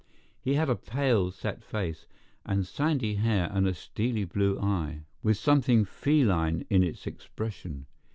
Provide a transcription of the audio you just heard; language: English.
He had a pale, set face, with sandy hair and a steely blue eye, with something feline in its expression.